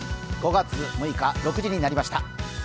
５月６日、６時になりました。